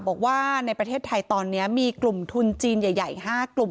บอกว่าในประเทศไทยตอนนี้มีกลุ่มทุนจีนใหญ่๕กลุ่ม